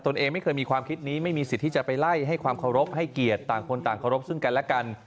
เองไม่เคยมีความคิดนี้ไม่มีสิทธิ์ที่จะไปไล่ให้ความเคารพให้เกียรติต่างคนต่างเคารพซึ่งกันและกัน